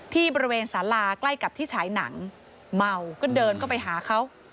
ที่บริเวณสาราใกล้กับที่ฉายหนังเมาก็เดินเข้าไปหาเขา